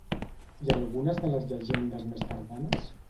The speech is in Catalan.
I algunes de les llegendes més tardanes?